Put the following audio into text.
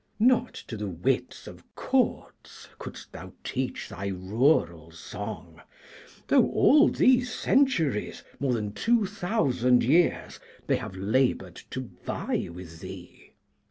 Not to the wits of Courts couldst thou teach thy rural song, though all these centuries, more than two thousand years, they have laboured to vie with thee.